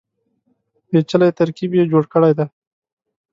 پېچلی ترکیب یې جوړ کړی دی.